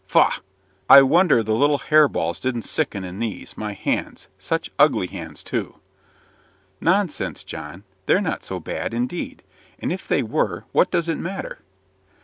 Faugh! I wonder the little harebells don't sicken in these, my hands such ugly hands, too!" "Nonsense, John! they're not so bad, indeed; and if they were, what does it matter?"